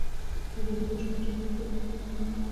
هلته د روس نژادو ډله ایزه وژنه روانه ده.